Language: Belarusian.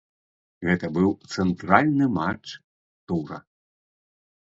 Гэта быў цэнтральны матч тура.